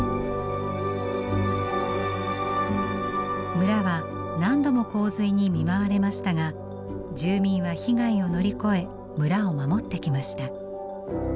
村は何度も洪水に見舞われましたが住民は被害を乗り越え村を守ってきました。